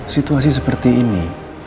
situasi seperti ini